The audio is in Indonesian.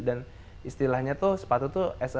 dan istilahnya tuh sepatu tuh as a accessory